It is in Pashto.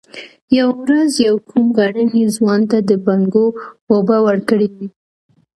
يوه ورځ يې کوم غرني ځوان ته د بنګو اوبه ورکړې وې.